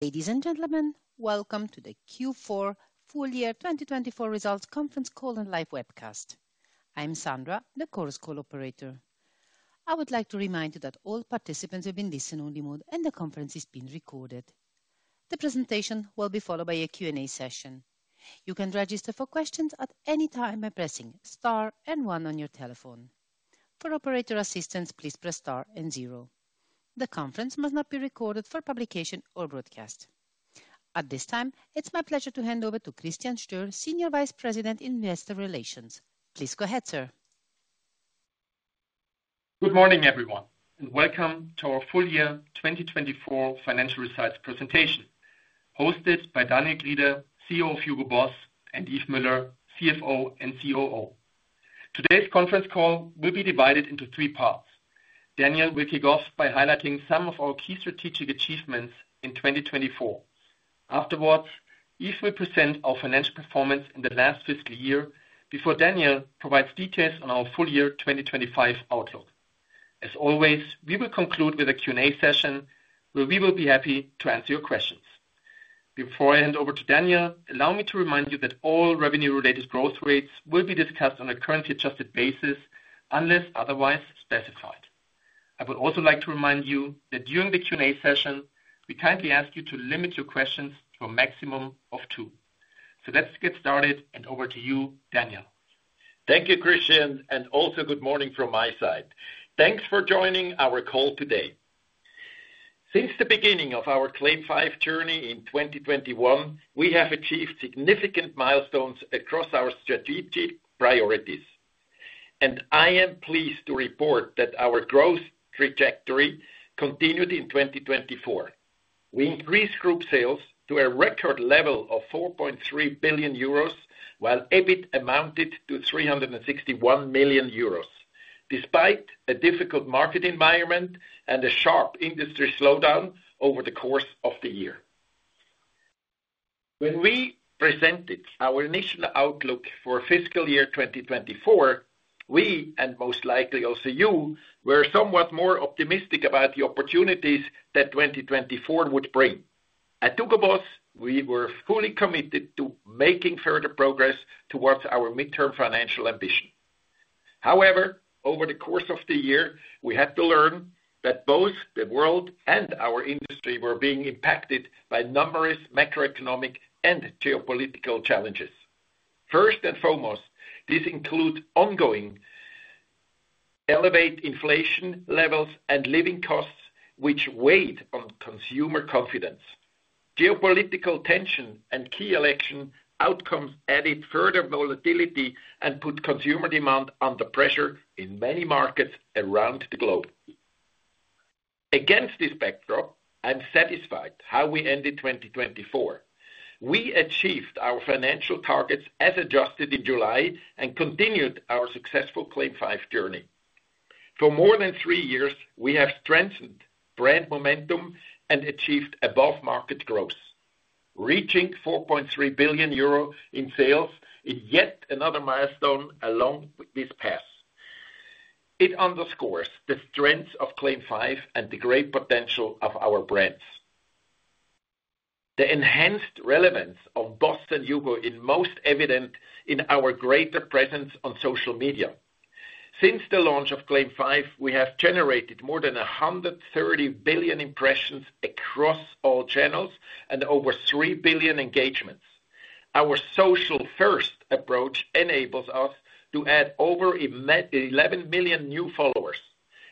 Ladies and gentlemen, welcome to the Q4 Full Year 2024 Results Conference Call and Live Webcast. I'm Sandra, the Chorus Call operator. I would like to remind you that all participants have been listened on the mode, and the conference is being recorded. The presentation will be followed by a Q&A session. You can register for questions at any time by pressing star and one on your telephone. For operator assistance, please press star and zero. The conference must not be recorded for publication or broadcast. At this time, it's my pleasure to hand over to Christian Stoehr, Senior Vice President in Investor Relations. Please go ahead, sir. Good morning, everyone, and welcome to our Full Year 2024 Financial Results Presentation, hosted by Daniel Grieder, CEO of HUGO BOSS, and Yves Müller, CFO and COO. Today's conference call will be divided into three parts. Daniel will kick off by highlighting some of our key strategic achievements in 2024. Afterwards, Yves will present our financial performance in the last fiscal year before Daniel provides details on our Full Year 2025 outlook. As always, we will conclude with a Q&A session where we will be happy to answer your questions. Before I hand over to Daniel, allow me to remind you that all revenue-related growth rates will be discussed on a currency adjusted basis unless otherwise specified. I would also like to remind you that during the Q&A session, we kindly ask you to limit your questions to a maximum of two. Let's get started, and over to you, Daniel. Thank you, Christian, and also good morning from my side. Thanks for joining our call today. Since the beginning of our CLAIM 5 journey in 2021, we have achieved significant milestones across our strategic priorities, and I am pleased to report that our growth trajectory continued in 2024. We increased group sales to a record level of 4.3 billion euros, while EBIT amounted to 361 million euros, despite a difficult market environment and a sharp industry slowdown over the course of the year. When we presented our initial outlook for fiscal year 2024, we, and most likely also you, were somewhat more optimistic about the opportunities that 2024 would bring. At HUGO BOSS, we were fully committed to making further progress towards our midterm financial ambition. However, over the course of the year, we had to learn that both the world and our industry were being impacted by numerous macroeconomic and geopolitical challenges. First and foremost, these include ongoing elevated inflation levels and living costs, which weighed on consumer confidence. Geopolitical tension and key election outcomes added further volatility and put consumer demand under pressure in many markets around the globe. Against this backdrop, I'm satisfied with how we ended 2024. We achieved our financial targets as adjusted in July and continued our successful CLAIM 5 journey. For more than three years, we have strengthened brand momentum and achieved above-market growth, reaching 4.3 billion euro in sales in yet another milestone along this path. It underscores the strength of CLAIM 5 and the great potential of our brands. The enhanced relevance of BOSS and HUGO is most evident in our greater presence on social media. Since the launch of CLAIM 5, we have generated more than 130 billion impressions across all channels and over 3 billion engagements. Our social-first approach enables us to add over 11 million new followers,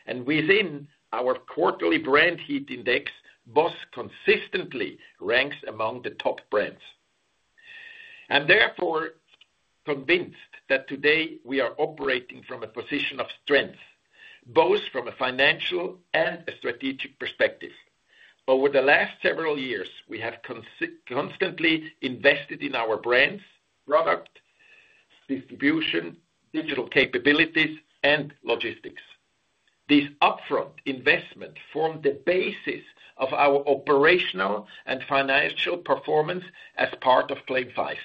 and within our quarterly brand heat index, BOSS consistently ranks among the top brands. I am therefore convinced that today we are operating from a position of strength, both from a financial and a strategic perspective. Over the last several years, we have constantly invested in our brands, product distribution, digital capabilities, and logistics. These upfront investments form the basis of our operational and financial performance as part of CLAIM 5,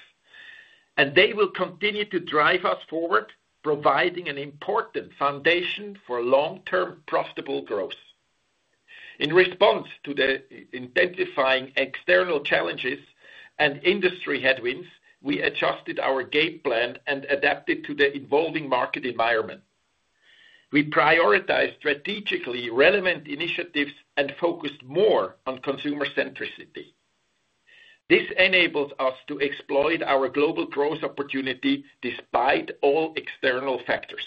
and they will continue to drive us forward, providing an important foundation for long-term profitable growth. In response to the intensifying external challenges and industry headwinds, we adjusted our game plan and adapted to the evolving market environment. We prioritized strategically relevant initiatives and focused more on consumer centricity. This enabled us to exploit our global growth opportunity despite all external factors.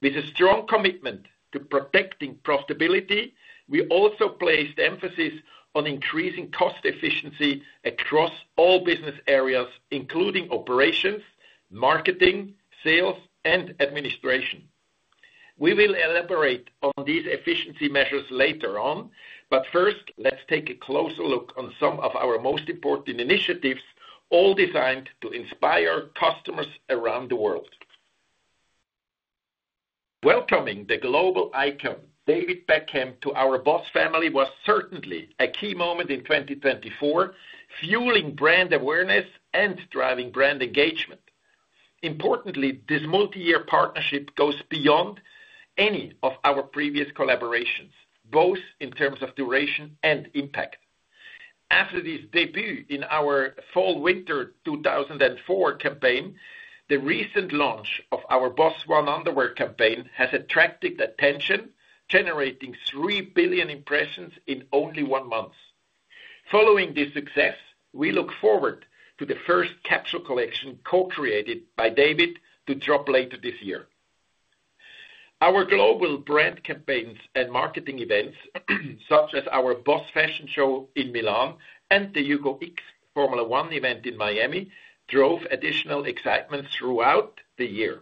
With a strong commitment to protecting profitability, we also placed emphasis on increasing cost efficiency across all business areas, including operations, marketing, sales, and administration. We will elaborate on these efficiency measures later on, but first, let's take a closer look at some of our most important initiatives, all designed to inspire customers around the world. Welcoming the global icon, David Beckham, to our BOSS family was certainly a key moment in 2024, fueling brand awareness and driving brand engagement. Importantly, this multi-year partnership goes beyond any of our previous collaborations, both in terms of duration and impact. After his debut in our Fall/Winter 2024 campaign, the recent launch of our BOSS ONE underwear campaign has attracted attention, generating 3 billion impressions in only one month. Following this success, we look forward to the first capsule collection co-created by David to drop later this year. Our global brand campaigns and marketing events, such as our BOSS Fashion Show in Milan and the HUGO X Formula 1 event in Miami, drove additional excitement throughout the year.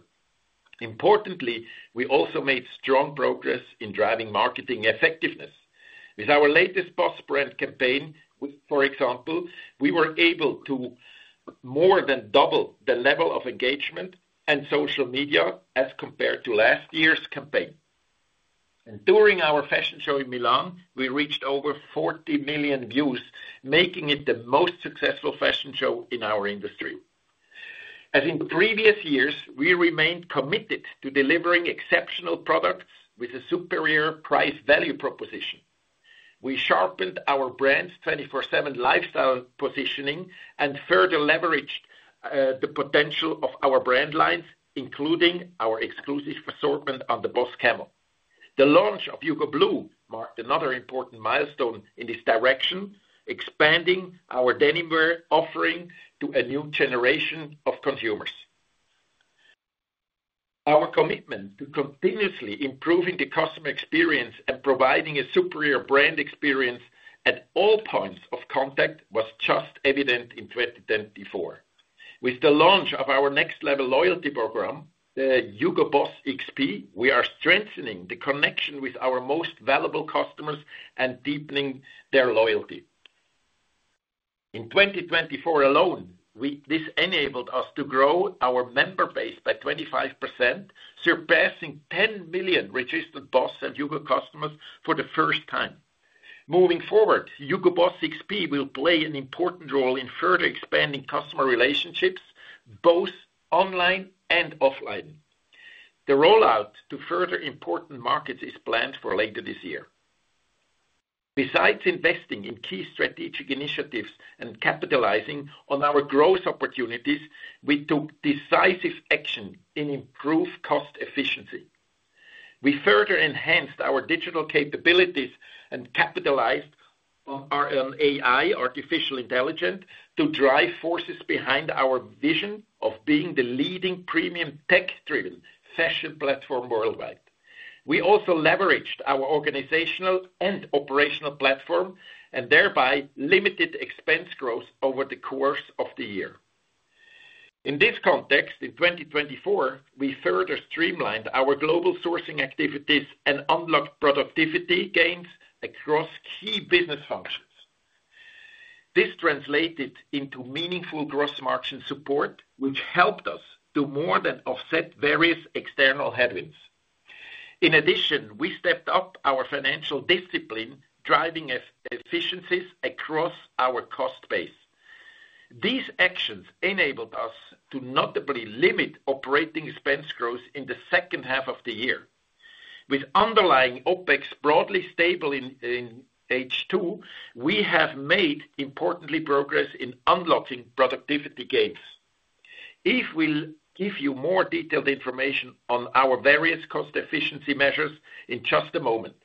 Importantly, we also made strong progress in driving marketing effectiveness. With our latest BOSS brand campaign, for example, we were able to more than double the level of engagement and social media as compared to last year's campaign. During our fashion show in Milan, we reached over 40 million views, making it the most successful fashion show in our industry. As in previous years, we remained committed to delivering exceptional products with a superior price-value proposition. We sharpened our brand's 24/7 lifestyle positioning and further leveraged the potential of our brand lines, including our exclusive assortment on the BOSS Camel. The launch of HUGO Blue marked another important milestone in this direction, expanding our denimwear offering to a new generation of consumers. Our commitment to continuously improving the customer experience and providing a superior brand experience at all points of contact was just evident in 2024. With the launch of our next-level loyalty program, the HUGO BOSS XP, we are strengthening the connection with our most valuable customers and deepening their loyalty. In 2024 alone, this enabled us to grow our member base by 25%, surpassing 10 million registered BOSS and HUGO customers for the first time. Moving forward, HUGO BOSS XP will play an important role in further expanding customer relationships, both online and offline. The rollout to further important markets is planned for later this year. Besides investing in key strategic initiatives and capitalizing on our growth opportunities, we took decisive action to improve cost efficiency. We further enhanced our digital capabilities and capitalized on AI, artificial intelligence, to drive forces behind our vision of being the leading premium tech-driven fashion platform worldwide. We also leveraged our organizational and operational platform and thereby limited expense growth over the course of the year. In this context, in 2024, we further streamlined our global sourcing activities and unlocked productivity gains across key business functions. This translated into meaningful gross margin support, which helped us to more than offset various external headwinds. In addition, we stepped up our financial discipline, driving efficiencies across our cost base. These actions enabled us to notably limit operating expense growth in the second half of the year. With underlying OpEX broadly stable in H2, we have made important progress in unlocking productivity gains. Yves will give you more detailed information on our various cost efficiency measures in just a moment.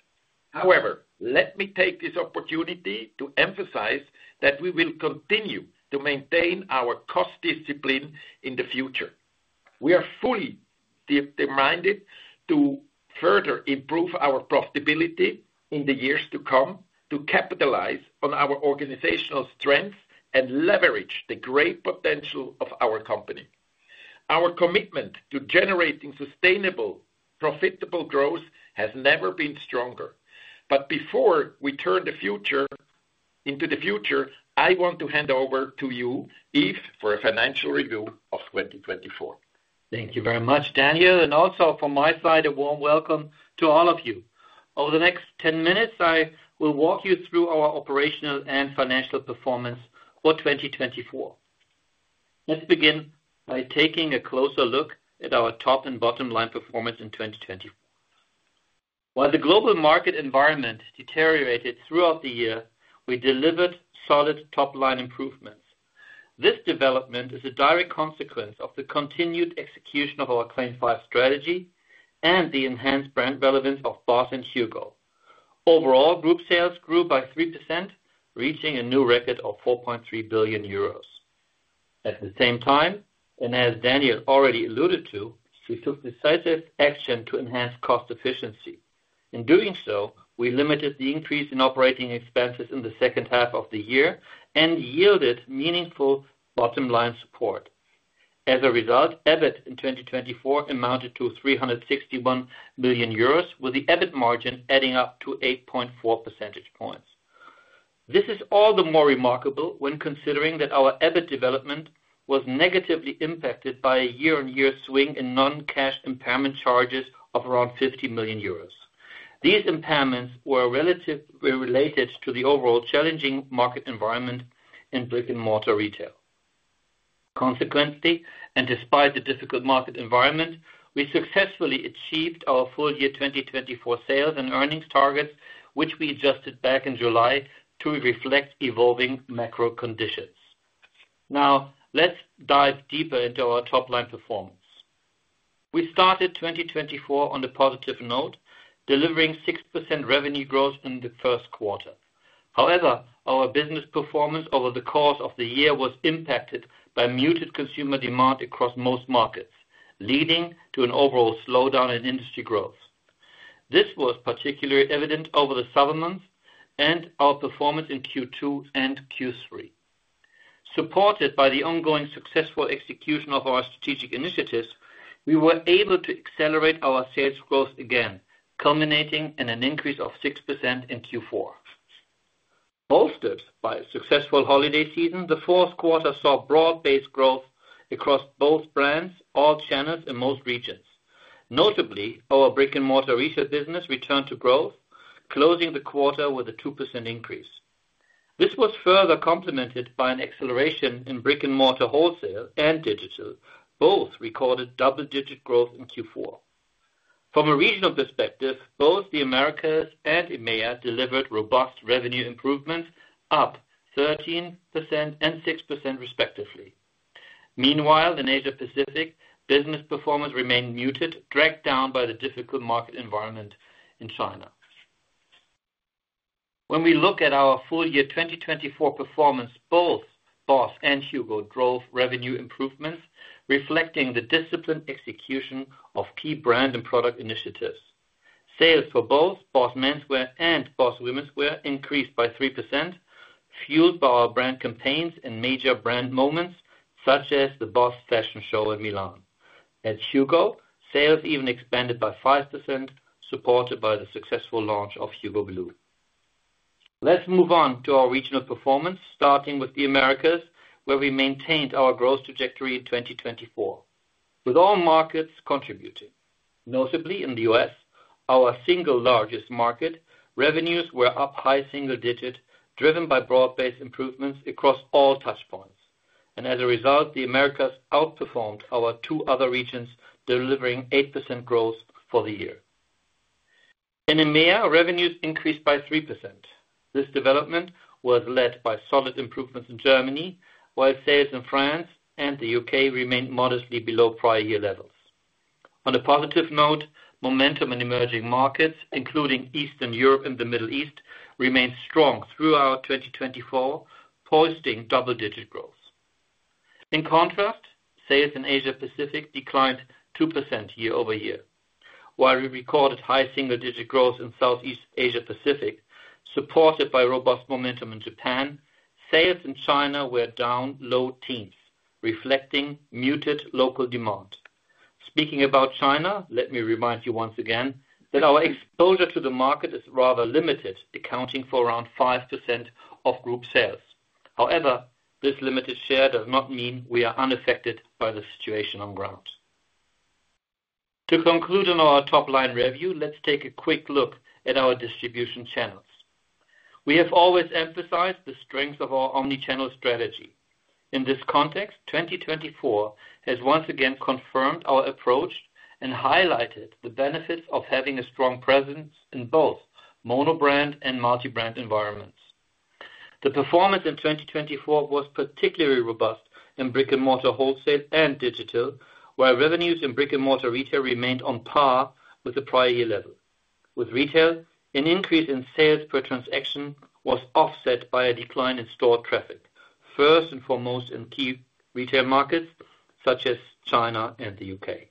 However, let me take this opportunity to emphasize that we will continue to maintain our cost discipline in the future. We are fully determined to further improve our profitability in the years to come, to capitalize on our organizational strength and leverage the great potential of our company. Our commitment to generating sustainable, profitable growth has never been stronger. Before we turn the future into the future, I want to hand over to you, Yves, for a financial review of 2024. Thank you very much, Daniel. Also from my side, a warm welcome to all of you. Over the next 10 minutes, I will walk you through our operational and financial performance for 2024. Let's begin by taking a closer look at our top and bottom line performance in 2024. While the global market environment deteriorated throughout the year, we delivered solid top-line improvements. This development is a direct consequence of the continued execution of our CLAIM 5 strategy and the enhanced brand relevance of BOSS and HUGO. Overall, group sales grew by 3%, reaching a new record of 4.3 billion euros. At the same time, as Daniel already alluded to, we took decisive action to enhance cost efficiency. In doing so, we limited the increase in operating expenses in the second half of the year and yielded meaningful bottom line support. As a result, EBIT in 2024 amounted to 361 million euros, with the EBIT margin adding up to 8.4 percentage points. This is all the more remarkable when considering that our EBIT development was negatively impacted by a year-on-year swing in non-cash impairment charges of around 50 million euros. These impairments were relatively related to the overall challenging market environment in brick-and-mortar retail. Consequently, and despite the difficult market environment, we successfully achieved our full-year 2024 sales and earnings targets, which we adjusted back in July to reflect evolving macro conditions. Now, let's dive deeper into our top-line performance. We started 2024 on a positive note, delivering 6% revenue growth in the first quarter. However, our business performance over the course of the year was impacted by muted consumer demand across most markets, leading to an overall slowdown in industry growth. This was particularly evident over the summer months and our performance in Q2 and Q3. Supported by the ongoing successful execution of our strategic initiatives, we were able to accelerate our sales growth again, culminating in an increase of 6% in Q4. Bolstered by a successful holiday season, the fourth quarter saw broad-based growth across both brands, all channels, and most regions. Notably, our brick-and-mortar retail business returned to growth, closing the quarter with a 2% increase. This was further complemented by an acceleration in brick-and-mortar wholesale and digital, both recorded double-digit growth in Q4. From a regional perspective, both the America and EMEA delivered robust revenue improvements up 13% and 6%, respectively. Meanwhile, in Asia-Pacific, business performance remained muted, dragged down by the difficult market environment in China. When we look at our full-year 2024 performance, both BOSS and HUGO drove revenue improvements, reflecting the disciplined execution of key brand and product initiatives. Sales for both BOSS menswear and BOSS women's wear increased by 3%, fueled by our brand campaigns and major brand moments, such as the BOSS Fashion Show in Milan. At HUGO, sales even expanded by 5%, supported by the successful launch of HUGO Blue. Let's move on to our regional performance, starting with the Americas, where we maintained our growth trajectory in 2024, with all markets contributing. Notably, in the U.S., our single largest market, revenues were up high single-digit, driven by broad-based improvements across all touchpoints. As a result, the America outperformed our two other regions, delivering 8% growth for the year. In EMEA, revenues increased by 3%. This development was led by solid improvements in Germany, while sales in France and the U.K. remained modestly below prior year levels. On a positive note, momentum in emerging markets, including Eastern Europe and the Middle East, remained strong throughout 2024, posting double-digit growth. In contrast, sales in Asia-Pacific declined 2% year over year, while we recorded high single-digit growth in Southeast Asia-Pacific, supported by robust momentum in Japan. Sales in China were down low teens, reflecting muted local demand. Speaking about China, let me remind you once again that our exposure to the market is rather limited, accounting for around 5% of group sales. However, this limited share does not mean we are unaffected by the situation on ground. To conclude on our top-line review, let's take a quick look at our distribution channels. We have always emphasized the strength of our omnichannel strategy. In this context, 2024 has once again confirmed our approach and highlighted the benefits of having a strong presence in both monobrand and multi-brand environments. The performance in 2024 was particularly robust in brick-and-mortar wholesale and digital, where revenues in brick-and-mortar retail remained on par with the prior year level. With retail, an increase in sales per transaction was offset by a decline in store traffic, first and foremost in key retail markets such as China and the U.K.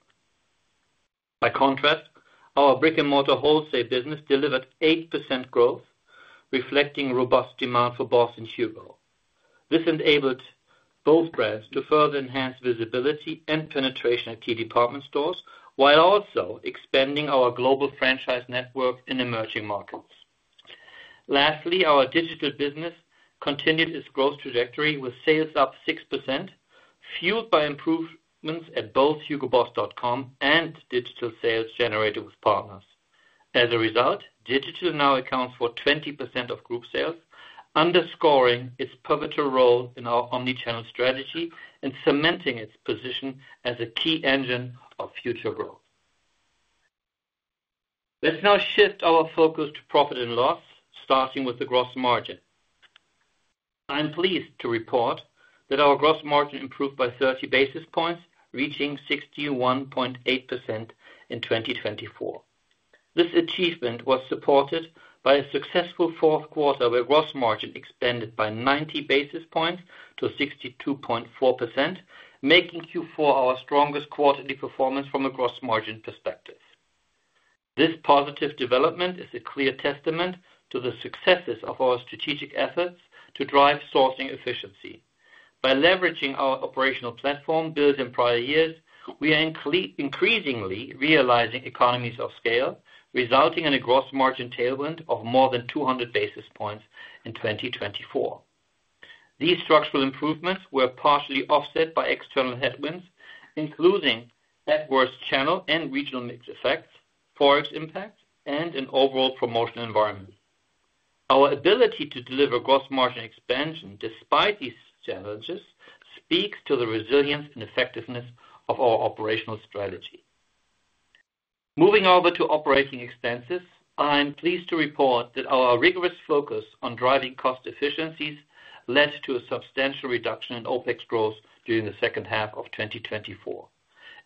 By contrast, our brick-and-mortar wholesale business delivered 8% growth, reflecting robust demand for BOSS and HUGO. This enabled both brands to further enhance visibility and penetration at key department stores, while also expanding our global franchise network in emerging markets. Lastly, our digital business continued its growth trajectory with sales up 6%, fueled by improvements at both hugoboss.com and digital sales generated with partners. As a result, digital now accounts for 20% of group sales, underscoring its pivotal role in our omnichannel strategy and cementing its position as a key engine of future growth. Let's now shift our focus to profit and loss, starting with the gross margin. I'm pleased to report that our gross margin improved by 30 basis points, reaching 61.8% in 2024. This achievement was supported by a successful fourth quarter, where gross margin expanded by 90 basis points to 62.4%, making Q4 our strongest quarterly performance from a gross margin perspective. This positive development is a clear testament to the successes of our strategic efforts to drive sourcing efficiency. By leveraging our operational platform built in prior years, we are increasingly realizing economies of scale, resulting in a gross margin tailwind of more than 200 basis points in 2024. These structural improvements were partially offset by external headwinds, including adverse channel and regional mix effects, forex impacts, and an overall promotional environment. Our ability to deliver gross margin expansion despite these challenges speaks to the resilience and effectiveness of our operational strategy. Moving over to operating expenses, I'm pleased to report that our rigorous focus on driving cost efficiencies led to a substantial reduction in OpEX growth during the second half of 2024.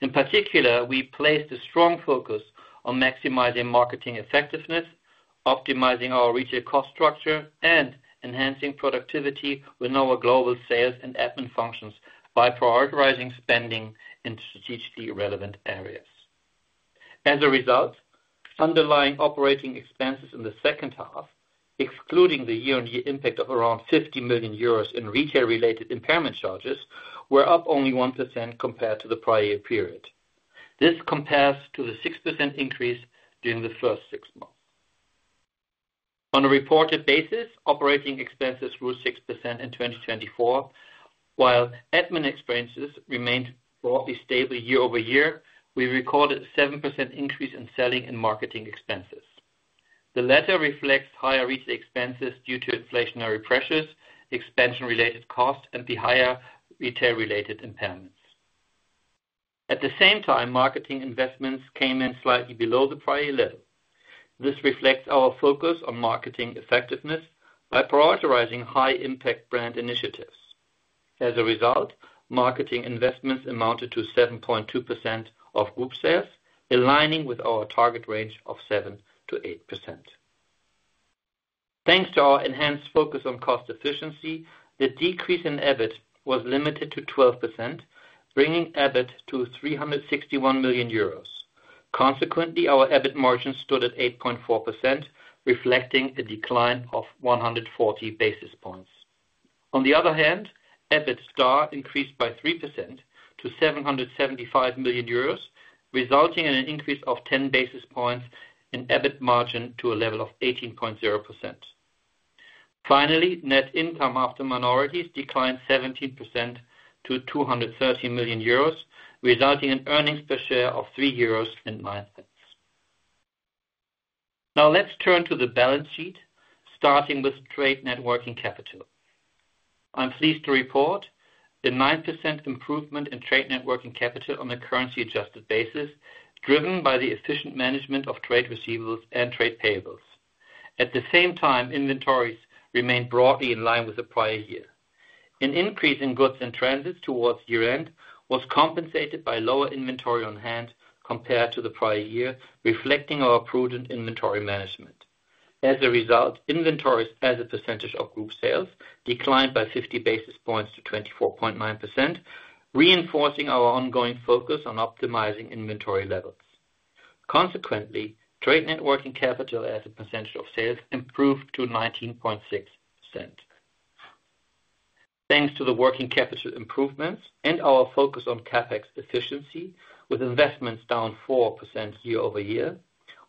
In particular, we placed a strong focus on maximizing marketing effectiveness, optimizing our retail cost structure, and enhancing productivity with our global sales and admin functions by prioritizing spending in strategically relevant areas. As a result, underlying operating expenses in the second half, excluding the year-on-year impact of around 50 million euros in retail-related impairment charges, were up only 1% compared to the prior year period. This compares to the 6% increase during the first six months. On a reported basis, operating expenses grew 6% in 2024. While admin expenses remained broadly stable year over year, we recorded a 7% increase in selling and marketing expenses. The latter reflects higher retail expenses due to inflationary pressures, expansion-related costs, and the higher retail-related impairments. At the same time, marketing investments came in slightly below the prior year level. This reflects our focus on marketing effectiveness by prioritizing high-impact brand initiatives. As a result, marketing investments amounted to 7.2% of group sales, aligning with our target range of 7%-8%. Thanks to our enhanced focus on cost efficiency, the decrease in EBIT was limited to 12%, bringing EBIT to 361 million euros. Consequently, our EBIT margin stood at 8.4%, reflecting a decline of 140 basis points. On the other hand, EBITDA increased by 3% to 775 million euros, resulting in an increase of 10 basis points in EBIT margin to a level of 18.0%. Finally, net income after minorities declined 17% to 230 million euros, resulting in earnings per share of 3.09 euros. Now, let's turn to the balance sheet, starting with trade net working capital. I'm pleased to report a 9% improvement in trade net working capital on a currency-adjusted basis, driven by the efficient management of trade receivables and trade payables. At the same time, inventories remained broadly in line with the prior year. An increase in goods in transit towards year-end was compensated by lower inventory on hand compared to the prior year, reflecting our prudent inventory management. As a result, inventories as a percentage of group sales declined by 50 basis points to 24.9%, reinforcing our ongoing focus on optimizing inventory levels. Consequently, trade net working capital as a percentage of sales improved to 19.6%. Thanks to the working capital improvements and our focus on CapEx efficiency, with investments down 4% year over year,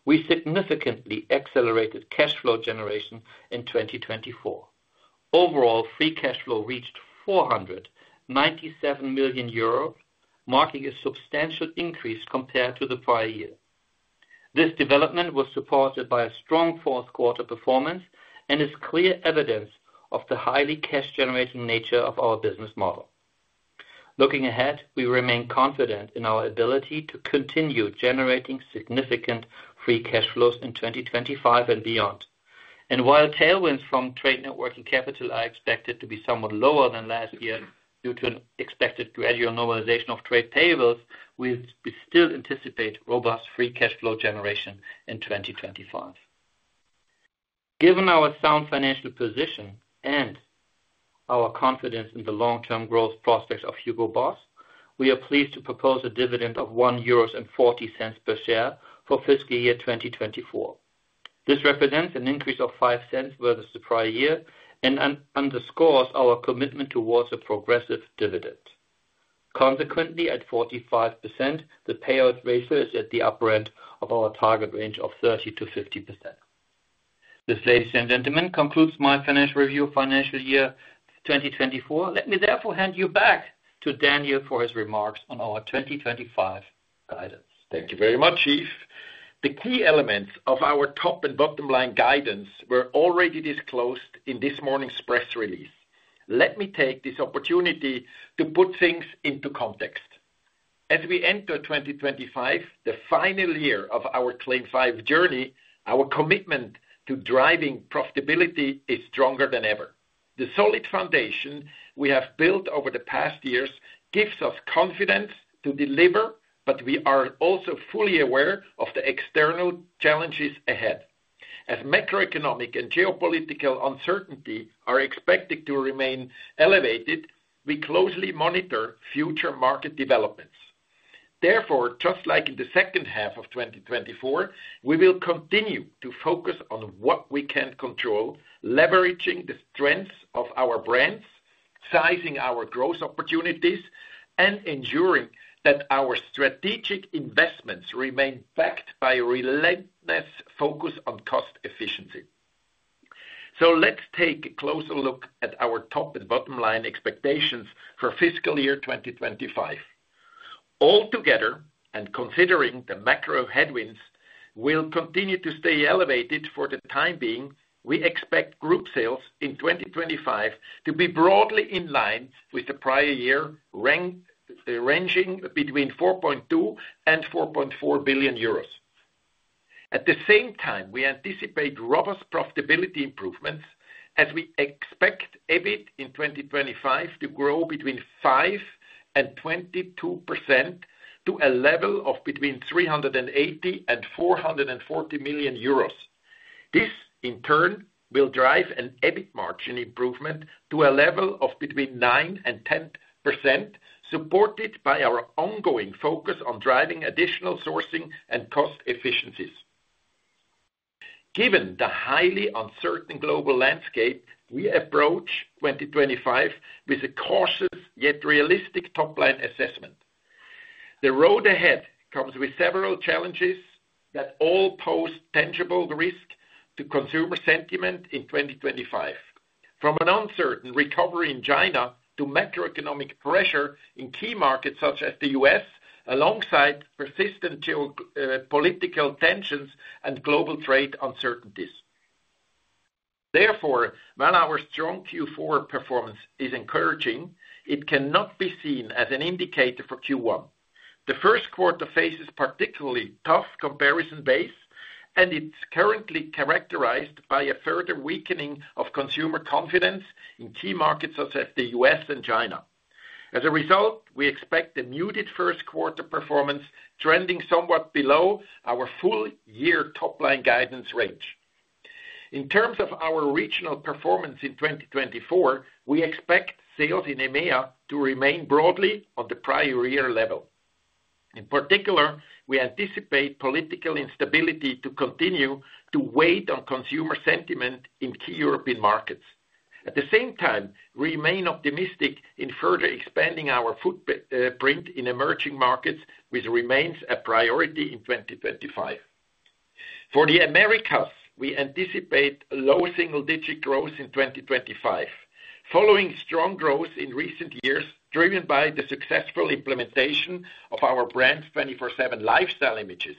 we significantly accelerated cash flow generation in 2024. Overall, free cash flow reached 497 million euros, marking a substantial increase compared to the prior year. This development was supported by a strong fourth quarter performance and is clear evidence of the highly cash-generating nature of our business model. Looking ahead, we remain confident in our ability to continue generating significant free cash flows in 2025 and beyond. While tailwinds from trade net working capital are expected to be somewhat lower than last year due to an expected gradual normalization of trade payables, we still anticipate robust free cash flow generation in 2025. Given our sound financial position and our confidence in the long-term growth prospects of HUGO BOSS, we are pleased to propose a dividend of 1.40 euros per share for fiscal year 2024. This represents an increase of 5% versus the prior year and underscores our commitment towards a progressive dividend. Consequently, at 45%, the payout ratio is at the upper end of our target range of 30%-50%. This, ladies and gentlemen, concludes my financial review of financial year 2024. Let me therefore hand you back to Daniel for his remarks on our 2025 guidance. Thank you very much, Yves. The key elements of our top and bottom line guidance were already disclosed in this morning's press release. Let me take this opportunity to put things into context. As we enter 2025, the final year of our CLAIM 5 journey, our commitment to driving profitability is stronger than ever. The solid foundation we have built over the past years gives us confidence to deliver, but we are also fully aware of the external challenges ahead. As macroeconomic and geopolitical uncertainty are expected to remain elevated, we closely monitor future market developments. Therefore, just like in the second half of 2024, we will continue to focus on what we can control, leveraging the strengths of our brands, sizing our growth opportunities, and ensuring that our strategic investments remain backed by a relentless focus on cost efficiency. Let's take a closer look at our top and bottom line expectations for fiscal year 2025. Altogether, and considering the macro headwinds will continue to stay elevated for the time being, we expect group sales in 2025 to be broadly in line with the prior year, ranging between 4.2 billion-4.4 billion euros. At the same time, we anticipate robust profitability improvements as we expect EBIT in 2025 to grow between 5% and 22% to a level of between 380 million and 440 million euros. This, in turn, will drive an EBIT margin improvement to a level of between 9% and 10%, supported by our ongoing focus on driving additional sourcing and cost efficiencies. Given the highly uncertain global landscape, we approach 2025 with a cautious yet realistic top-line assessment. The road ahead comes with several challenges that all pose tangible risk to consumer sentiment in 2025, from an uncertain recovery in China to macroeconomic pressure in key markets such as the U.S., alongside persistent geopolitical tensions and global trade uncertainties. Therefore, while our strong Q4 performance is encouraging, it cannot be seen as an indicator for Q1. The first quarter faces particularly tough comparison days, and it's currently characterized by a further weakening of consumer confidence in key markets such as the U.S. and China. As a result, we expect a muted first quarter performance trending somewhat below our full year top-line guidance range. In terms of our regional performance in 2024, we expect sales in EMEA to remain broadly on the prior year level. In particular, we anticipate political instability to continue to weigh on consumer sentiment in key European markets. At the same time, we remain optimistic in further expanding our footprint in emerging markets, which remains a priority in 2025. For the Americas, we anticipate low single-digit growth in 2025. Following strong growth in recent years, driven by the successful implementation of our brand's 24/7 lifestyle images,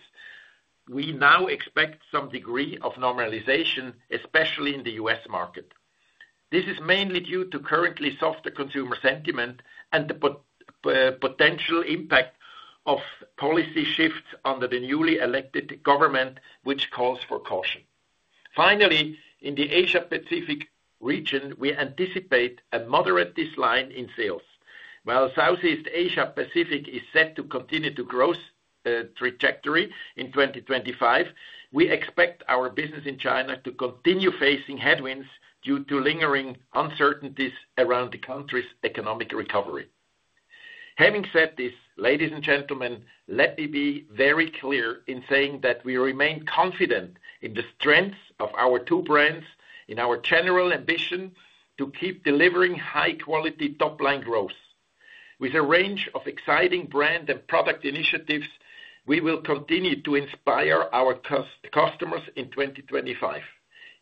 we now expect some degree of normalization, especially in the U.S. market. This is mainly due to currently softer consumer sentiment and the potential impact of policy shifts under the newly elected government, which calls for caution. Finally, in the Asia-Pacific region, we anticipate a moderate decline in sales. While Southeast Asia-Pacific is set to continue to grow its trajectory in 2025, we expect our business in China to continue facing headwinds due to lingering uncertainties around the country's economic recovery. Having said this, ladies and gentlemen, let me be very clear in saying that we remain confident in the strengths of our two brands in our general ambition to keep delivering high-quality top-line growth. With a range of exciting brand and product initiatives, we will continue to inspire our customers in 2025.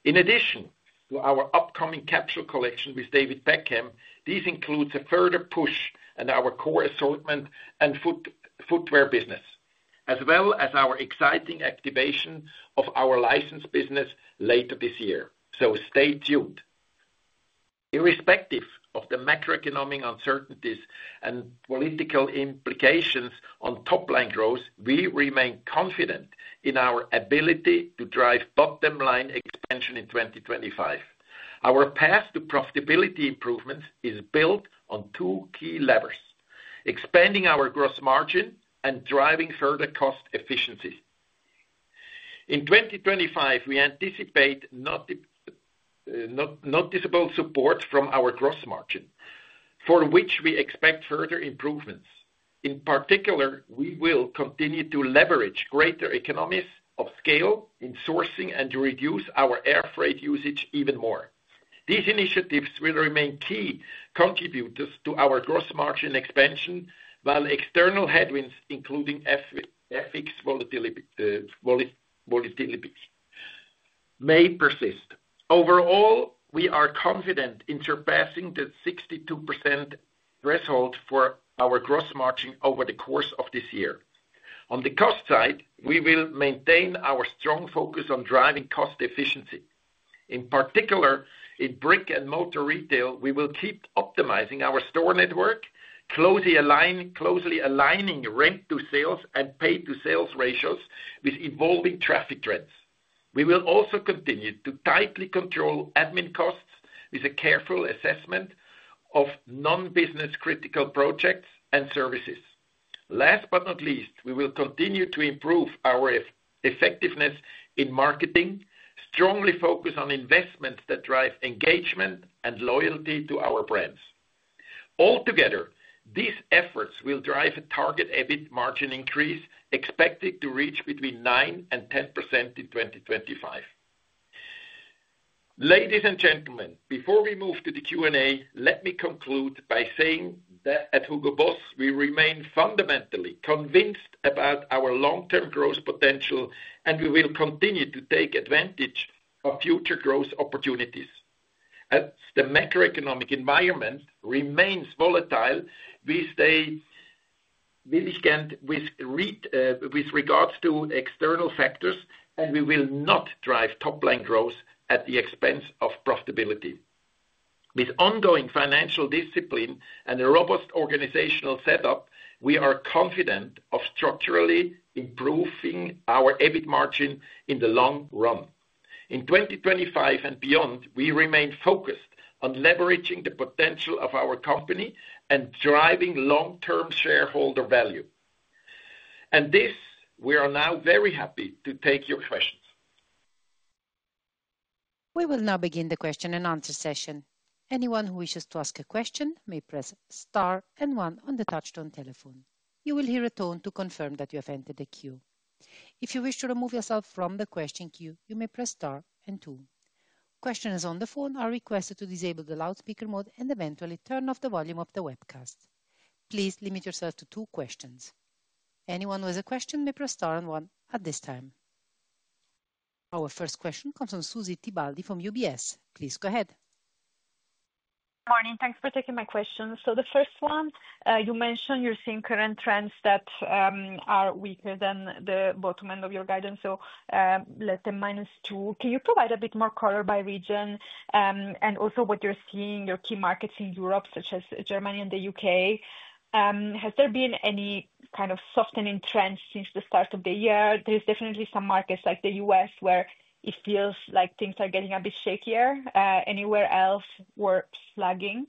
In addition to our upcoming capsule collection with David Beckham, this includes a further push in our core assortment and footwear business, as well as our exciting activation of our license business later this year. Stay tuned. Irrespective of the macroeconomic uncertainties and political implications on top-line growth, we remain confident in our ability to drive bottom-line expansion in 2025. Our path to profitability improvements is built on two key levers: expanding our gross margin and driving further cost efficiencies. In 2025, we anticipate noticeable support from our gross margin, for which we expect further improvements. In particular, we will continue to leverage greater economies of scale in sourcing and to reduce our air freight usage even more. These initiatives will remain key contributors to our gross margin expansion, while external headwinds, including FX volatility, may persist. Overall, we are confident in surpassing the 62% threshold for our gross margin over the course of this year. On the cost side, we will maintain our strong focus on driving cost efficiency. In particular, in brick-and-mortar retail, we will keep optimizing our store network, closely aligning rent-to-sales and pay-to-sales ratios with evolving traffic trends. We will also continue to tightly control admin costs with a careful assessment of non-business-critical projects and services. Last but not least, we will continue to improve our effectiveness in marketing, strongly focus on investments that drive engagement and loyalty to our brands. Altogether, these efforts will drive a target EBIT margin increase expected to reach between 9% and 10% in 2025. Ladies and gentlemen, before we move to the Q&A, let me conclude by saying that at HUGO BOSS, we remain fundamentally convinced about our long-term growth potential, and we will continue to take advantage of future growth opportunities. As the macroeconomic environment remains volatile, we stand with regards to external factors, and we will not drive top-line growth at the expense of profitability. With ongoing financial discipline and a robust organizational setup, we are confident of structurally improving our EBIT margin in the long run. In 2025 and beyond, we remain focused on leveraging the potential of our company and driving long-term shareholder value. With this, we are now very happy to take your questions. We will now begin the question and answer session. Anyone who wishes to ask a question may press star and one on the touch-tone telephone. You will hear a tone to confirm that you have entered the queue. If you wish to remove yourself from the question queue, you may press star and two. Questioners on the phone are requested to disable the loudspeaker mode and eventually turn off the volume of the webcast. Please limit yourself to two questions. Anyone who has a question may press star and one at this time. Our first question comes from Susy Tibaldi from UBS. Please go ahead. Good morning. Thanks for taking my question. The first one, you mentioned you're seeing current trends that are weaker than the bottom end of your guidance. Let's say minus 2%. Can you provide a bit more color by region and also what you're seeing in your key markets in Europe, such as Germany and the U.K.? Has there been any kind of softening trend since the start of the year? There's definitely some markets like the US where it feels like things are getting a bit shakier. Anywhere else we're flagging?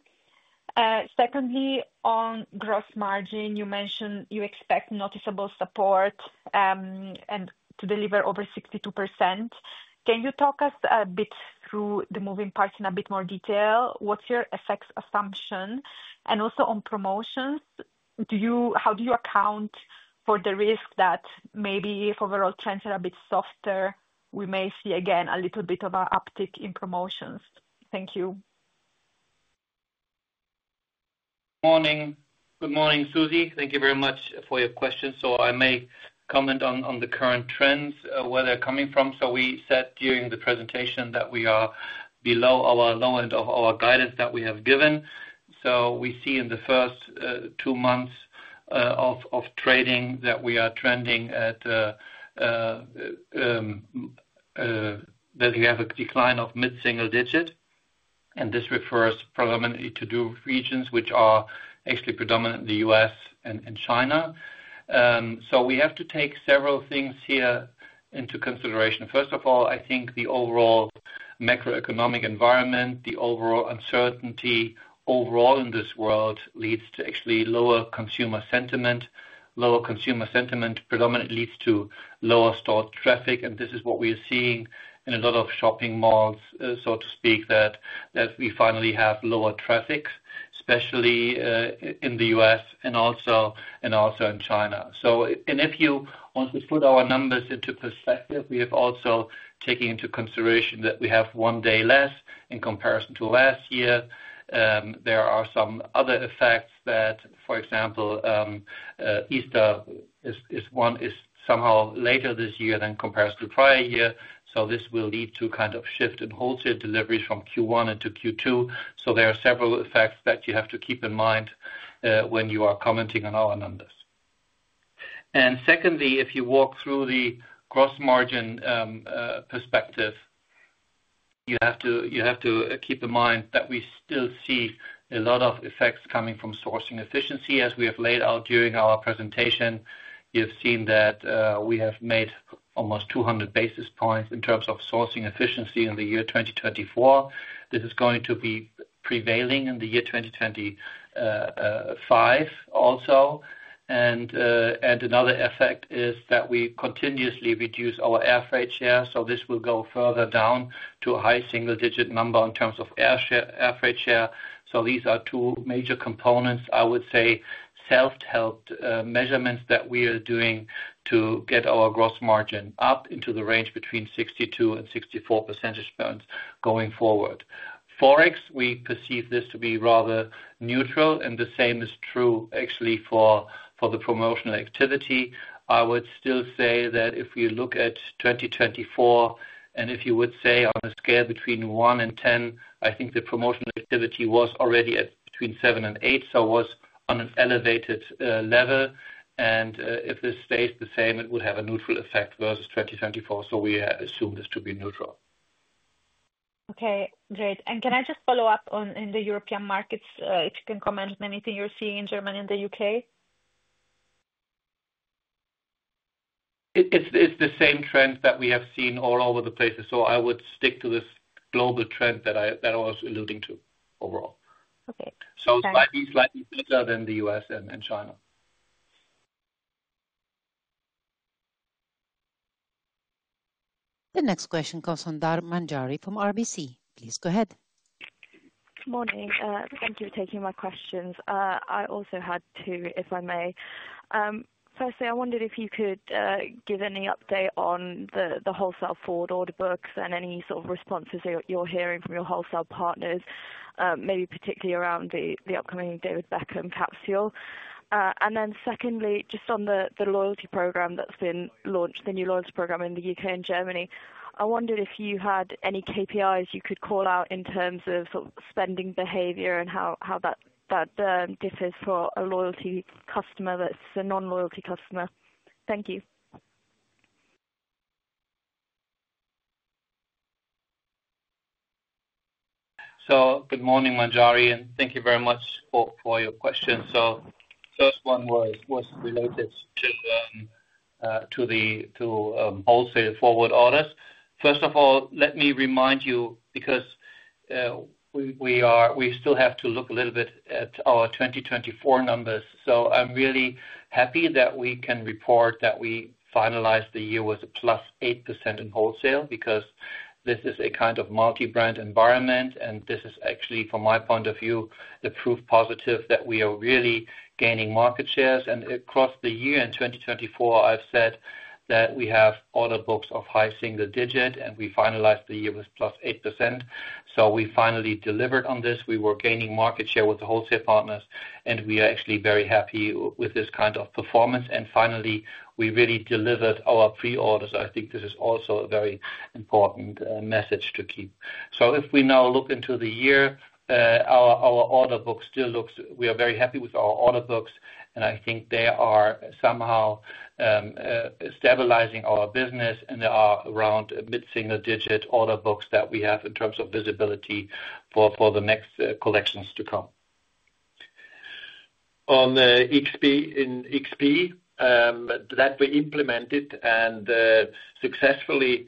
Secondly, on gross margin, you mentioned you expect noticeable support and to deliver over 62%. Can you talk us a bit through the moving parts in a bit more detail? What's your effects assumption? Also on promotions, how do you account for the risk that maybe if overall trends are a bit softer, we may see again a little bit of an uptick in promotions? Thank you. Morning. Good morning, Susie. Thank you very much for your question. I may comment on the current trends, where they're coming from. We said during the presentation that we are below our low end of our guidance that we have given. We see in the first two months of trading that we are trending at that we have a decline of mid-single digit. This refers predominantly to two regions, which are actually predominantly the U.S. and China. We have to take several things here into consideration. First of all, I think the overall macroeconomic environment, the overall uncertainty overall in this world leads to actually lower consumer sentiment. Lower consumer sentiment predominantly leads to lower store traffic. This is what we are seeing in a lot of shopping malls, so to speak, that we finally have lower traffic, especially in the U.S. and also in China. If you want to put our numbers into perspective, we have also taken into consideration that we have one day less in comparison to last year. There are some other effects that, for example, Easter is somehow later this year than compared to the prior year. This will lead to kind of shift in wholesale deliveries from Q1 into Q2. There are several effects that you have to keep in mind when you are commenting on our numbers. Secondly, if you walk through the gross margin perspective, you have to keep in mind that we still see a lot of effects coming from sourcing efficiency. As we have laid out during our presentation, you have seen that we have made almost 200 basis points in terms of sourcing efficiency in the year 2024. This is going to be prevailing in the year 2025 also. Another effect is that we continuously reduce our air freight share. This will go further down to a high single-digit number in terms of air freight share. These are two major components, I would say, self-help measurements that we are doing to get our gross margin up into the range between 62 and 64 percentage points going forward. ForEx, we perceive this to be rather neutral, and the same is true actually for the promotional activity. I would still say that if we look at 2024, and if you would say on a scale between 1 and 10, I think the promotional activity was already at between 7 and 8, so was on an elevated level. If this stays the same, it would have a neutral effect versus 2024. We assume this to be neutral. Okay, great. Can I just follow up on the European markets? If you can comment on anything you're seeing in Germany and the U.K. It's the same trend that we have seen all over the places. I would stick to this global trend that I was alluding to overall. Slightly better than the U.S. and China. The next question comes from Dhar Manjari from RBC. Please go ahead. Good morning. Thank you for taking my questions. I also had two, if I may. Firstly, I wondered if you could give any update on the wholesale forward order books and any sort of responses that you're hearing from your wholesale partners, maybe particularly around the upcoming David Beckham capsule. Secondly, just on the loyalty program that's been launched, the new loyalty program in the U.K. and Germany, I wondered if you had any KPIs you could call out in terms of spending behavior and how that differs for a loyalty customer versus a non-loyalty customer. Thank you. Good morning, Manjari, and thank you very much for your questions. The first one was related to the wholesale forward orders. First of all, let me remind you, because we still have to look a little bit at our 2024 numbers. I am really happy that we can report that we finalized the year with a plus 8% in wholesale, because this is a kind of multi-brand environment, and this is actually, from my point of view, the proof positive that we are really gaining market shares. Across the year in 2024, I have said that we have order books of high single digit, and we finalized the year with plus 8%. We finally delivered on this. We were gaining market share with the wholesale partners, and we are actually very happy with this kind of performance. Finally, we really delivered our pre-orders. I think this is also a very important message to keep. If we now look into the year, our order book still looks, we are very happy with our order books, and I think they are somehow stabilizing our business, and there are around mid-single digit order books that we have in terms of visibility for the next collections to come. On the XP that we implemented and successfully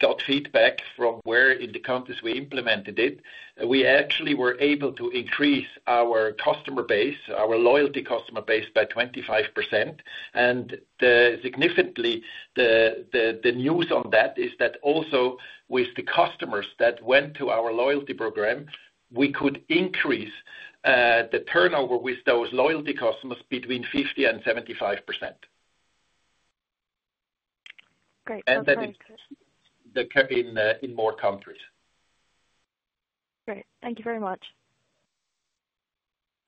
got feedback from where in the countries we implemented it, we actually were able to increase our customer base, our loyalty customer base, by 25%. Significantly, the news on that is that also with the customers that went to our loyalty program, we could increase the turnover with those loyalty customers between 50-75%. Great. That is in more countries. Great. Thank you very much.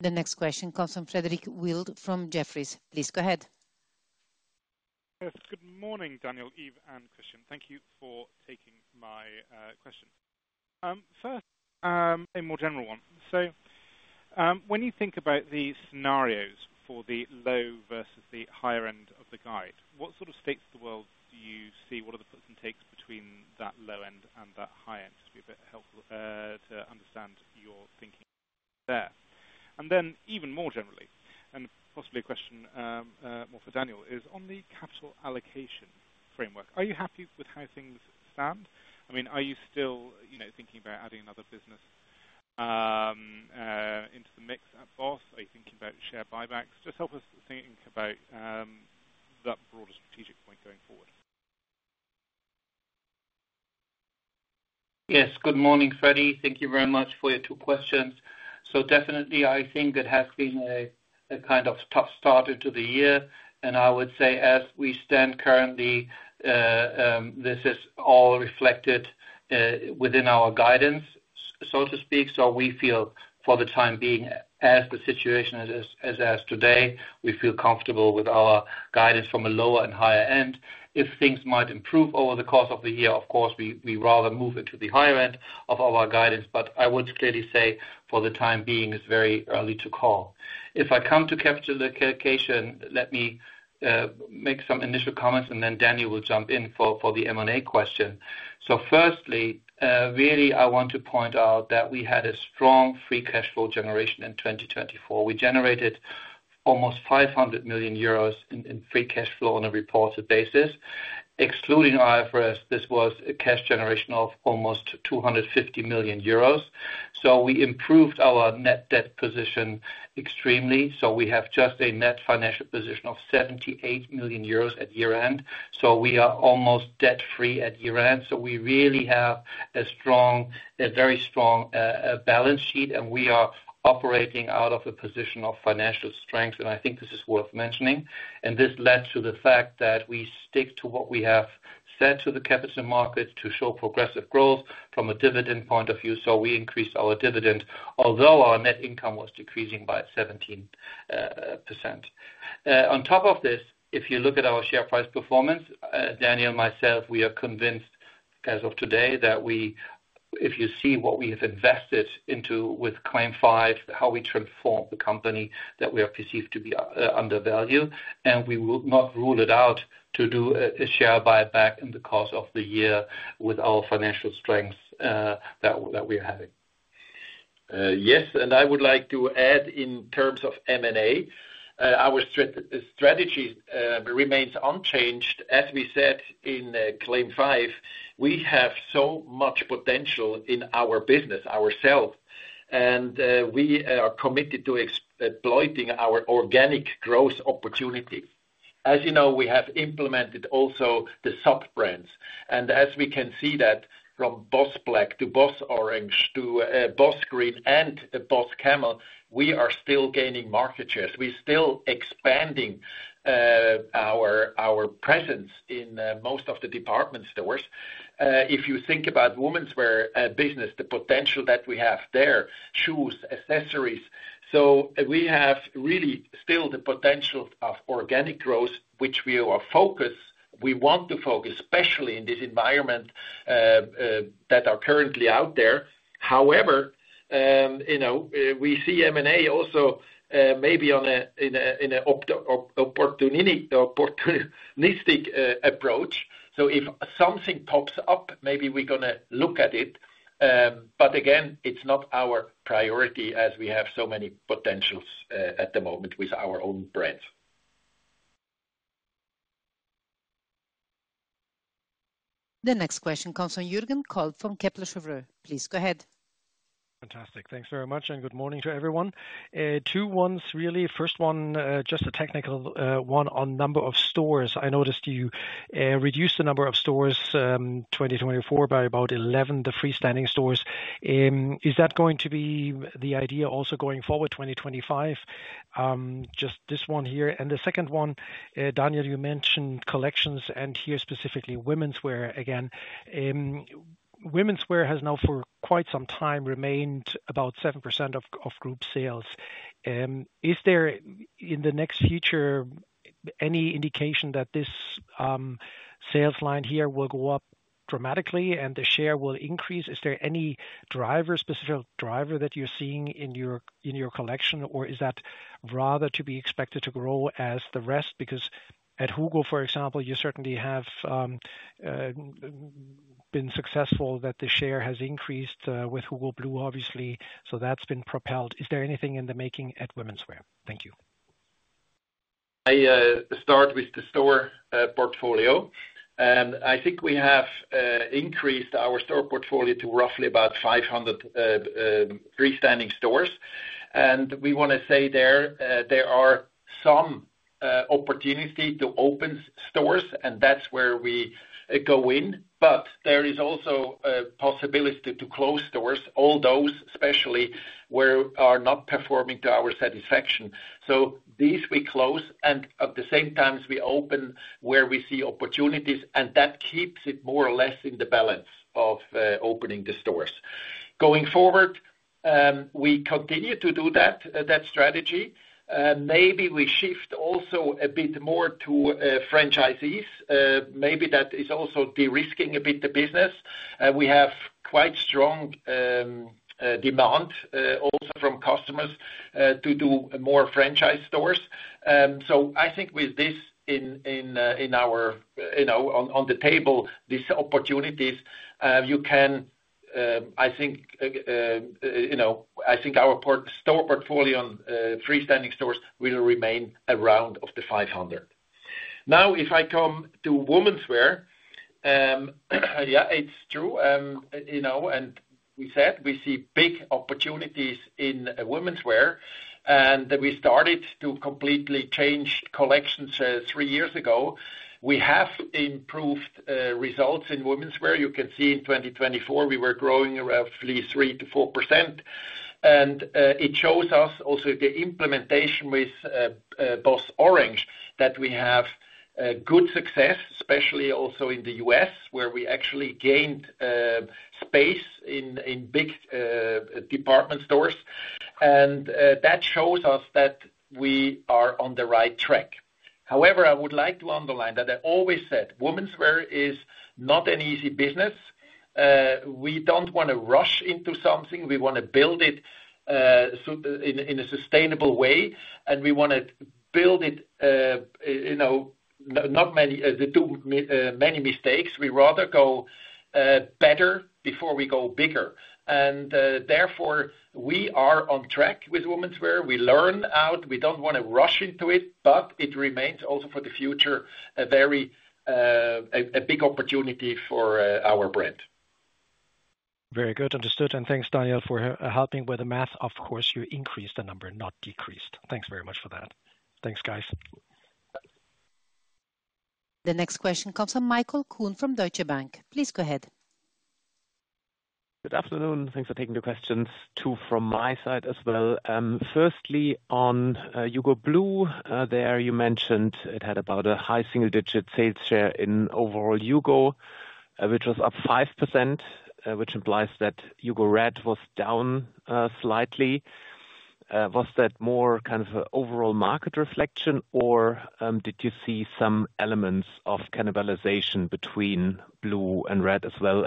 The next question comes from Frederick Wild from Jefferies. Please go ahead. Good morning, Daniel, Yves, and Christian. Thank you for taking my question. First, a more general one. When you think about the scenarios for the low versus the higher end of the guide, what sort of states of the world do you see? What are the puts and takes between that low end and that high end? Just to be a bit helpful to understand your thinking there. Even more generally, and possibly a question more for Daniel, is on the capital allocation framework, are you happy with how things stand? I mean, are you still thinking about adding another business into the mix at BOSS? Are you thinking about share buybacks? Just help us think about that broader strategic point going forward. Yes. Good morning, Freddie. Thank you very much for your two questions. Definitely, I think it has been a kind of tough start into the year. I would say as we stand currently, this is all reflected within our guidance, so to speak. We feel for the time being, as the situation is as today, we feel comfortable with our guidance from a lower and higher end. If things might improve over the course of the year, of course, we rather move into the higher end of our guidance. I would clearly say for the time being, it's very early to call. If I come to capital allocation, let me make some initial comments, and then Daniel will jump in for the M&A question. Firstly, I really want to point out that we had a strong free cash flow generation in 2024. We generated almost 500 million euros in free cash flow on a reported basis. Excluding IFRS, this was a cash generation of almost 250 million euros. We improved our net debt position extremely. We have just a net financial position of 78 million euros at year-end. We are almost debt-free at year-end. We really have a very strong balance sheet, and we are operating out of a position of financial strength. I think this is worth mentioning. This led to the fact that we stick to what we have said to the capital markets to show progressive growth from a dividend point of view. We increased our dividend, although our net income was decreasing by 17%. On top of this, if you look at our share price performance, Daniel and myself, we are convinced as of today that if you see what we have invested into with CLAIM 5, how we transformed the company that we have perceived to be undervalued, we will not rule it out to do a share buyback in the course of the year with our financial strength that we are having. Yes. I would like to add in terms of M&A, our strategy remains unchanged. As we said in CLAIM 5, we have so much potential in our business, ourselves. We are committed to exploiting our organic growth opportunity. As you know, we have implemented also the sub-brands. As we can see that from BOSS Black to BOSS Orange to BOSS Green and BOSS Camel, we are still gaining market shares. We're still expanding our presence in most of the department stores. If you think about womenswear business, the potential that we have there, shoes, accessories. So we have really still the potential of organic growth, which we are focused. We want to focus especially in this environment that are currently out there. However, we see M&A also maybe in an opportunistic approach. If something pops up, maybe we're going to look at it. Again, it's not our priority as we have so many potentials at the moment with our own brands. The next question comes from Jürgen Kolb from Kepler Cheuvreux. Please go ahead. Fantastic. Thanks very much. Good morning to everyone. Two ones, really. First one, just a technical one on number of stores. I noticed you reduced the number of stores in 2024 by about 11, the freestanding stores. Is that going to be the idea also going forward 2025? Just this one here. The second one, Daniel, you mentioned collections and here specifically womenswear again. Womenswear has now for quite some time remained about 7% of group sales. Is there in the next future any indication that this sales line here will go up dramatically and the share will increase? Is there any driver, specific driver that you're seeing in your collection, or is that rather to be expected to grow as the rest? Because at HUGO, for example, you certainly have been successful that the share has increased with HUGO Blue, obviously. That has been propelled. Is there anything in the making at womenswear? Thank you. I start with the store portfolio. I think we have increased our store portfolio to roughly about 500 freestanding stores. We want to say there are some opportunities to open stores, and that is where we go in. There is also a possibility to close stores, especially those where we are not performing to our satisfaction. These we close, and at the same time, we open where we see opportunities, and that keeps it more or less in the balance of opening the stores. Going forward, we continue to do that strategy. Maybe we shift also a bit more to franchisees. Maybe that is also de-risking a bit the business. We have quite strong demand also from customers to do more franchise stores. I think with this on the table, these opportunities, you can, I think our store portfolio on freestanding stores will remain around the 500. Now, if I come to womenswear, yeah, it is true. We said we see big opportunities in womenswear. We started to completely change collections three years ago. We have improved results in womenswear. You can see in 2024, we were growing roughly 3%-4%. It shows us also the implementation with BOSS Orange that we have good success, especially also in the US, where we actually gained space in big department stores. That shows us that we are on the right track. However, I would like to underline that I always said womenswear is not an easy business. We do not want to rush into something. We want to build it in a sustainable way, and we want to build it not many mistakes. We rather go better before we go bigger. Therefore, we are on track with womenswear. We learn out. We do not want to rush into it, but it remains also for the future a big opportunity for our brand. Very good. Understood. Thanks, Daniel, for helping with the math. Of course, you increased the number, not decreased. Thanks very much for that. Thanks, guys. The next question comes from Michael Kuhn from Deutsche Bank. Please go ahead. Good afternoon. Thanks for taking the questions. Two from my side as well. Firstly, on HUGO Blue, there you mentioned it had about a high single-digit sales share in overall HUGO, which was up 5%, which implies that HUGO Red was down slightly. Was that more kind of an overall market reflection, or did you see some elements of cannibalization between blue and red as well?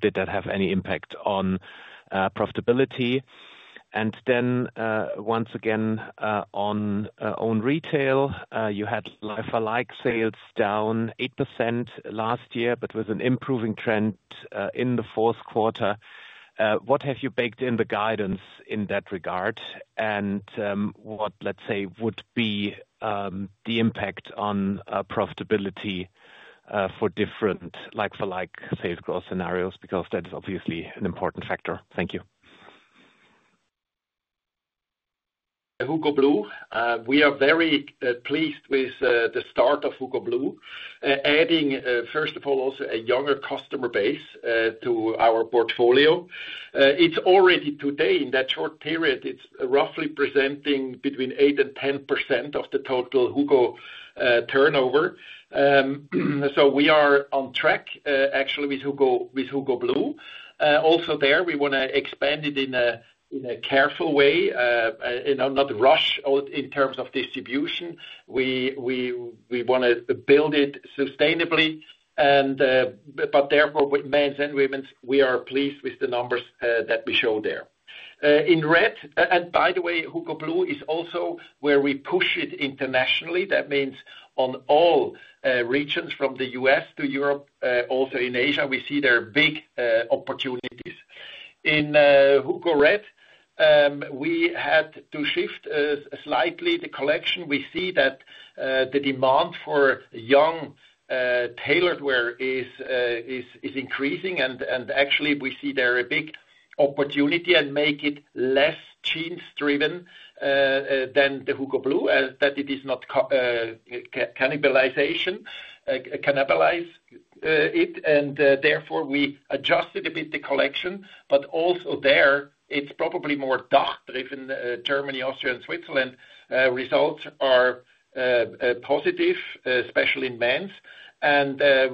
Did that have any impact on profitability? Once again, on own retail, you had like-for-like sales down 8% last year, but with an improving trend in the fourth quarter. What have you baked in the guidance in that regard? What, let's say, would be the impact on profitability for different like-for-like sales growth scenarios? Because that is obviously an important factor. Thank you. HUGO Blue. We are very pleased with the start of HUGO Blue, adding, first of all, also a younger customer base to our portfolio. It's already today, in that short period, it's roughly presenting between 8-10% of the total HUGO turnover. We are on track, actually, with HUGO Blue. Also there, we want to expand it in a careful way, not rush in terms of distribution. We want to build it sustainably. Therefore, men and women, we are pleased with the numbers that we show there. In red, and by the way, HUGO Blue is also where we push it internationally. That means on all regions from the US to Europe, also in Asia, we see there are big opportunities. In HUGO Red, we had to shift slightly the collection. We see that the demand for young tailored wear is increasing. Actually, we see there a big opportunity and make it less jeans-driven than the HUGO Blue, that it is not cannibalization, cannibalize it. Therefore, we adjusted a bit the collection. Also there, it's probably more dark-driven. Germany, Austria, and Switzerland results are positive, especially in men's.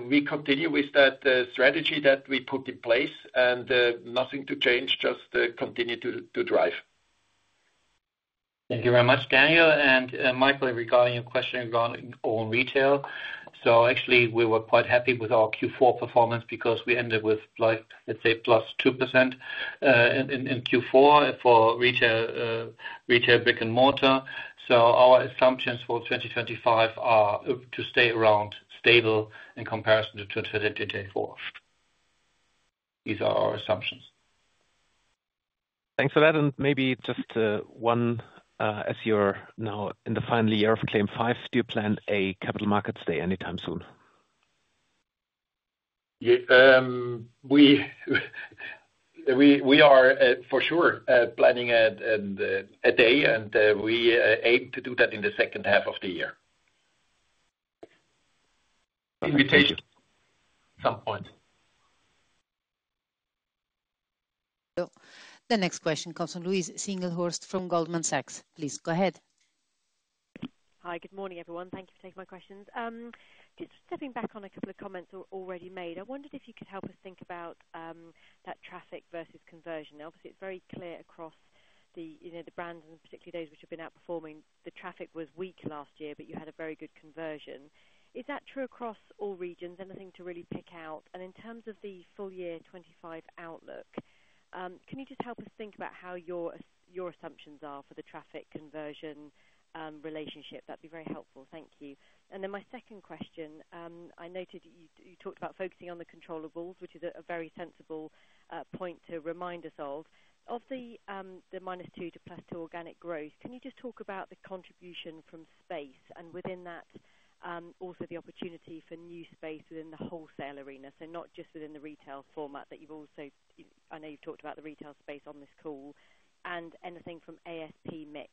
We continue with that strategy that we put in place. Nothing to change, just continue to drive. Thank you very much, Daniel. Michael, regarding your question regarding own retail. Actually, we were quite happy with our Q4 performance because we ended with, let's say, +2% in Q4 for retail brick-and-mortar. Our assumptions for 2025 are to stay around stable in comparison to 2024. These are our assumptions. Thanks for that. Maybe just one, as you're now in the final year of CLAIM 5, do you plan a capital markets day anytime soon? We are for sure planning a day, and we aim to do that in the second half of the year. Invitation at some point. The next question comes from Louise Singlehurst from Goldman Sachs. Please go ahead. Hi. Good morning, everyone. Thank you for taking my questions. Just stepping back on a couple of comments already made, I wondered if you could help us think about that traffic versus conversion. Obviously, it's very clear across the brands, and particularly those which have been outperforming. The traffic was weak last year, but you had a very good conversion. Is that true across all regions? Anything to really pick out? In terms of the full year 2025 outlook, can you just help us think about how your assumptions are for the traffic conversion relationship? That'd be very helpful. Thank you. My second question, I noted you talked about focusing on the controllables, which is a very sensible point to remind us of. Of the -2% to +2% organic growth, can you just talk about the contribution from space and within that, also the opportunity for new space within the wholesale arena? Not just within the retail format that you've also, I know, you've talked about the retail space on this call. Anything from ASP mix?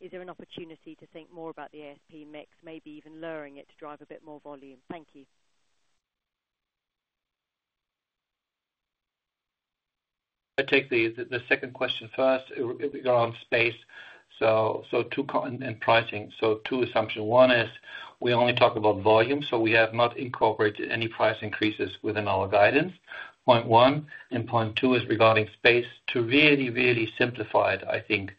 Is there an opportunity to think more about the ASP mix, maybe even luring it to drive a bit more volume? Thank you. I'll take the second question first. We're on space. Two and pricing. Two assumptions. One is we only talk about volume, so we have not incorporated any price increases within our guidance. Point one. Point two is regarding space. To really, really simplify it, I think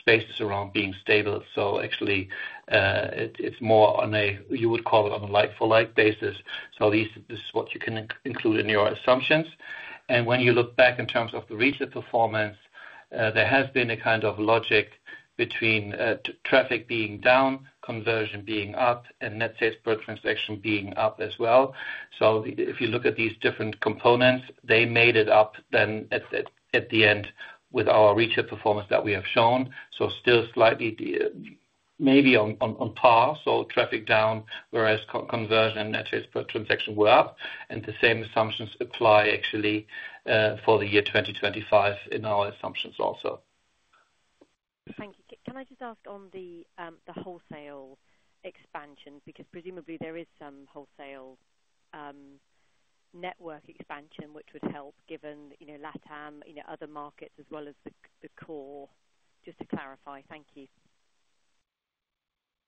space is around being stable. Actually, it's more on a, you would call it on a like-for-like basis. This is what you can include in your assumptions. When you look back in terms of the retail performance, there has been a kind of logic between traffic being down, conversion being up, and net sales per transaction being up as well. If you look at these different components, they made it up then at the end with our retail performance that we have shown. Still slightly maybe on par. Traffic down, whereas conversion and net sales per transaction were up. The same assumptions apply actually for the year 2025 in our assumptions also. Thank you. Can I just ask on the wholesale expansion? Because presumably there is some wholesale network expansion, which would help given LatAm, other markets, as well as the core. Just to clarify. Thank you.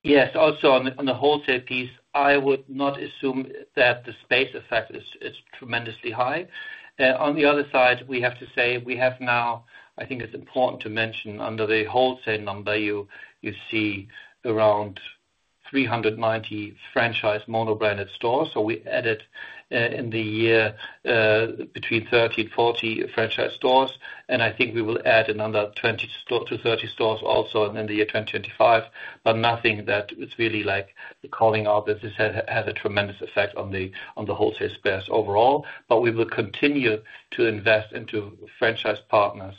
Yes. Also on the wholesale piece, I would not assume that the space effect is tremendously high. On the other side, we have to say we have now, I think it is important to mention under the wholesale number, you see around 390 franchise monobranded stores. We added in the year between 30 and 40 franchise stores. I think we will add another 20-30 stores also in the year 2025. Nothing that is really like calling out that this has a tremendous effect on the wholesale spares overall. We will continue to invest into franchise partners,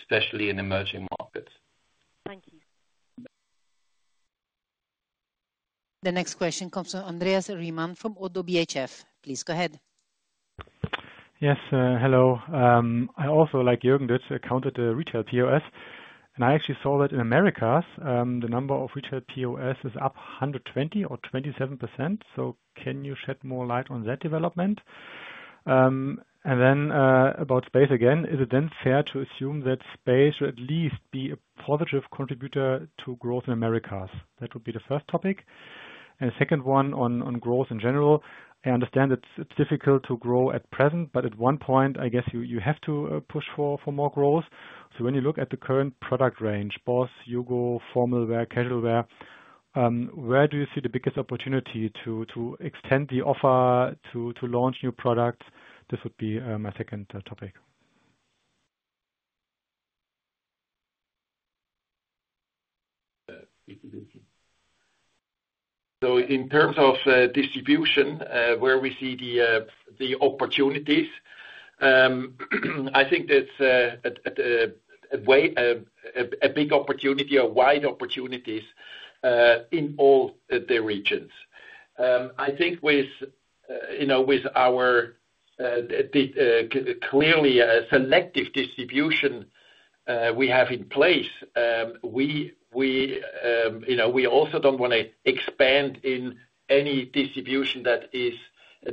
especially in emerging markets. Thank you. The next question comes from Andreas Riemann from ODDO BHF. Please go ahead. Yes. Hello. I, like Jürgen, accounted to retail POS. I actually saw that in Americas, the number of retail POS is up 120% or 127%. Can you shed more light on that development? About space again, is it then fair to assume that space will at least be a positive contributor to growth in Americas? That would be the first topic. The second one on growth in general, I understand it's difficult to grow at present, but at one point, I guess you have to push for more growth. When you look at the current product range, BOSS, HUGO, formal wear, casual wear, where do you see the biggest opportunity to extend the offer, to launch new products? This would be my second topic. In terms of distribution, where we see the opportunities, I think that's a big opportunity, a wide opportunity in all the regions. I think with our clearly selective distribution we have in place, we also don't want to expand in any distribution that is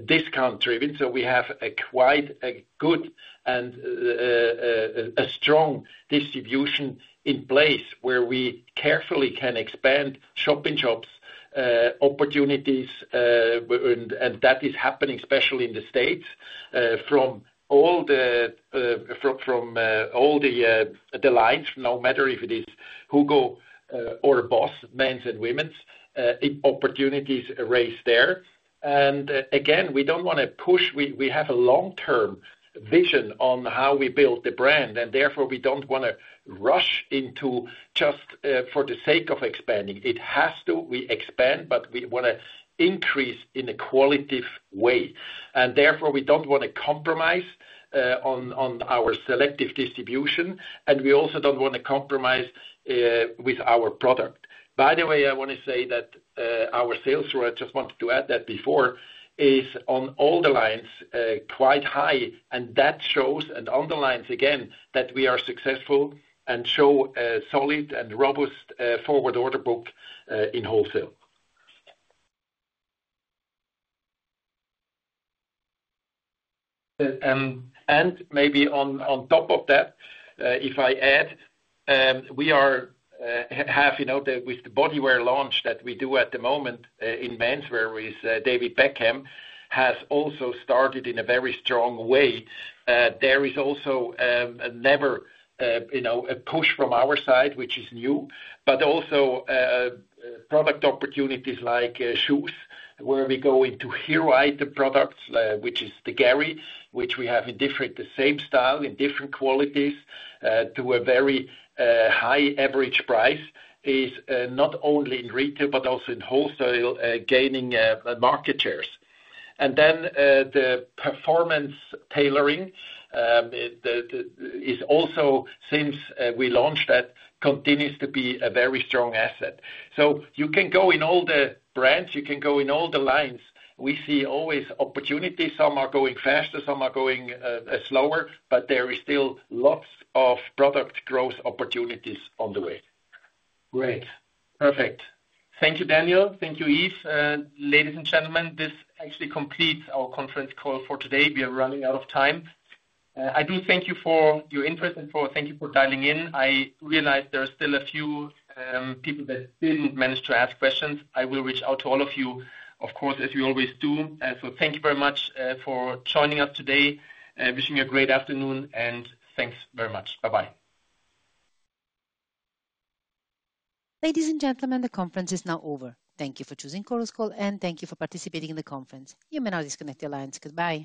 discount-driven. We have quite a good and a strong distribution in place where we carefully can expand shopping shops opportunities. That is happening especially in the States from all the lines, no matter if it is HUGO or BOSS, men's and women's, opportunities raised there. Again, we don't want to push. We have a long-term vision on how we build the brand. Therefore, we don't want to rush into just for the sake of expanding. It has to. We expand, but we want to increase in a qualitative way. Therefore, we don't want to compromise on our selective distribution. We also don't want to compromise with our product. By the way, I want to say that our sales throughput, I just wanted to add that before, is on all the lines quite high. That shows and underlines again that we are successful and show a solid and robust forward order book in wholesale. Maybe on top of that, if I add, we have with the bodywear launch that we do at the moment in menswear with David Beckham has also started in a very strong way. There is also never a push from our side, which is new, but also product opportunities like shoes where we go into here right the products, which is the Gary, which we have in different, the same style in different qualities to a very high average price is not only in retail, but also in wholesale gaining market shares. The performance tailoring is also, since we launched that, continues to be a very strong asset. You can go in all the brands, you can go in all the lines. We see always opportunities. Some are going faster, some are going slower, but there is still lots of product growth opportunities on the way. Great. Perfect. Thank you, Daniel. Thank you, Yves. Ladies and gentlemen, this actually completes our conference call for today. We are running out of time. I do thank you for your interest and thank you for dialing in. I realize there are still a few people that did not manage to ask questions. I will reach out to all of you, of course, as we always do. Thank you very much for joining us today. Wishing you a great afternoon and thanks very much. Bye-bye. Ladies and gentlemen, the conference is now over. Thank you for choosing Chorus Call and thank you for participating in the conference. You may now disconnect the lines. Goodbye.